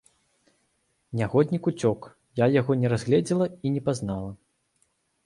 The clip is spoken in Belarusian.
Нягоднік уцёк, я яго не разгледзела і не пазнала.